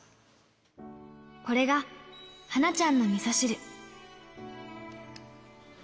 これがはなちゃんのみそ汁。